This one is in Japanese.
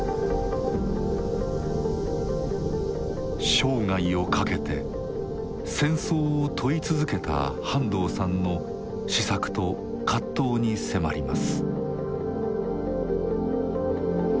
生涯をかけて戦争を問い続けた半藤さんの思索と葛藤に迫ります。